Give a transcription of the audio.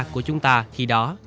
của chúng ta khi đó